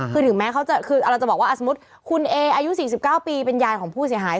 คือถึงแม้เขาจะคือเราจะบอกว่าสมมุติคุณเออายุ๔๙ปีเป็นยายของผู้เสียหาย